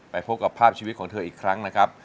พบกับภาพชีวิตของเธออีกครั้งนะครับ